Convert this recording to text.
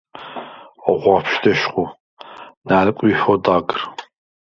ოხვაფშვდ ეშხუ, ნალკვიჰვ ოდაგრ.